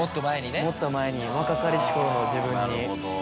もっと前に若かりしころの自分に。